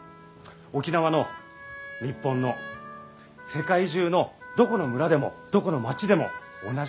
沖縄の日本の世界中のどこの村でもどこの街でも同じなんです。